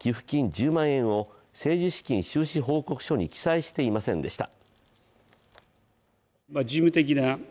１０万円を政治資金収支報告書に記載していませんでした。